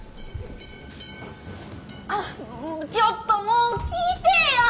あっちょっともう聞いてえや！